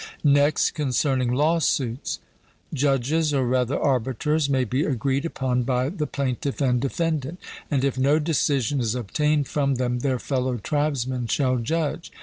Next concerning lawsuits. Judges, or rather arbiters, may be agreed upon by the plaintiff and defendant; and if no decision is obtained from them, their fellow tribesmen shall judge.